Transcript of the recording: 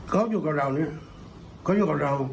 เขาอยู่กับเราเนี่ยเขาอยู่กับเรา